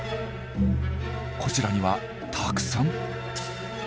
こちらにはたくさん。